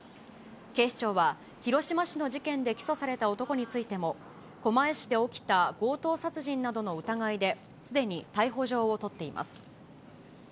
警視庁は広島市の事件で起訴された男についても、狛江市で起きた強盗殺人などの疑いですでに逮捕状を取っています。